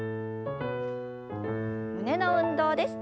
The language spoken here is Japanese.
胸の運動です。